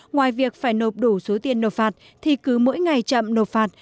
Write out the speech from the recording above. ngoài việc phải nộp đủ số tiền nộp phạt thì cứ mỗi ngày chậm nộp phạt